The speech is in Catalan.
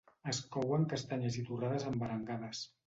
Es couen castanyes i torrades amb arengades.